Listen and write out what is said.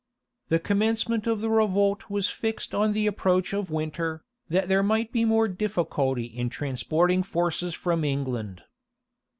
The commencement of the revolt was fixed on the approach of winter, that there might be more difficulty in transporting forces from England.